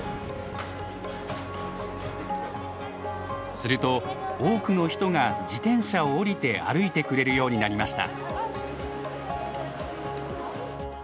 すると多くの人が自転車を降りて歩いてくれるようになりました。